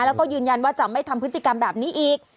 แล้วก็ยืนยันว่าจะไม่ทำพฤติกรรมแบบนี้อีก